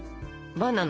バナナ。